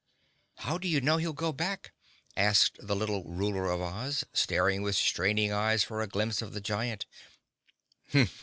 "How do you know he'll go back?" asked the little Ruler of Oz, staring with straining eyes for a glimpse of the giant.